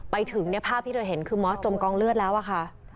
ไปถึงเนี่ยภาพที่เธอเห็นคือมอสจมกองเลือดแล้วอะค่ะ